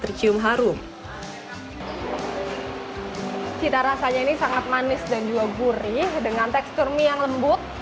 tercium harum cita rasanya ini sangat manis dan juga gurih dengan tekstur mie yang lembut